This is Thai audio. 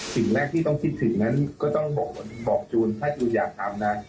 สิ่งแรกที่ต้องคิดถึงนั้นก็ต้องบอกจูนถ้าจูยาทำนะ